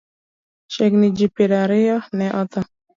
Chiegni ji piero ariyo ne otho.